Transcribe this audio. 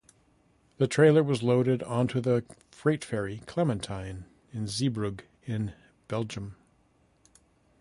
The trailer was loaded onto the freight ferry "Clementine" in Zeebrugge in Belgium.